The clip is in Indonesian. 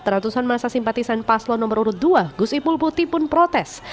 ratusan masa simpatisan paslon nomor urut dua gus ipul putih pun protes